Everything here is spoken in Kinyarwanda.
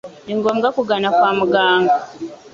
ni ngombwa kugana kwa muganga.